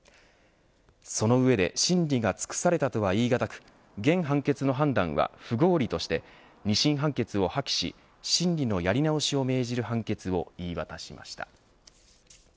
その上で審理が尽くされたとは言いがたく現判決の判断は不合理として二審判決を破棄し審理のやり直しを命じる判決を言い渡しました。